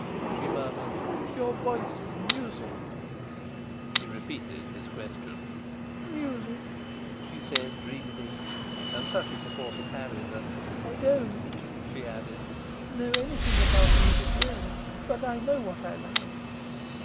she murmured. "Your voice is music." He repeated his question. "Music!" she said dreamily; and such is the force of habit that "I don't," she added, "know anything about music, really. But I know what I like."